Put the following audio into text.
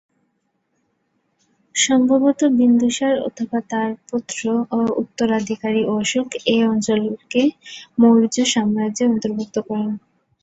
সম্ভবত বিন্দুসার অথবা তাঁর পুত্র ও উত্তরাধিকারী অশোক এ অঞ্চলকে মৌর্য সাম্রাজ্যের অন্তর্ভূক্ত করেন।